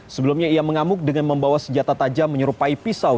sebelumnya ia mengamuk dengan membawa senjata tajam menyerupai pisau